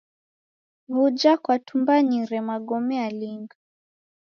W'uja kwatumbanyire magome alinga?